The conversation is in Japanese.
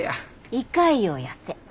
胃潰瘍やて。